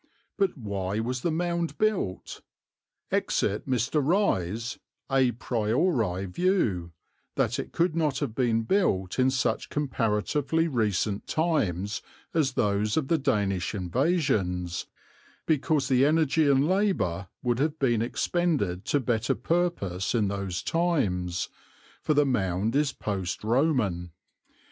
But why was the Mound built? Exit Mr. Rye's à priori view, that it could not have been built in such comparatively recent times as those of the Danish invasions, because the energy and labour would have been expended to better purpose in those times, for the Mound is post Roman.